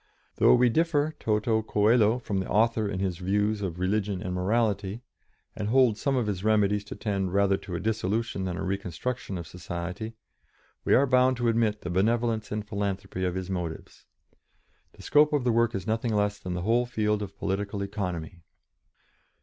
Though we differ toto coelo from the author in his views of religion and morality, and hold some of his remedies to tend rather to a dissolution than a reconstruction of society, yet we are bound to admit the benevolence and philanthropy of his motives. The scope of the work is nothing less than the whole field of political economy."